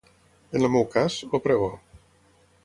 En el meu cas, el pregó.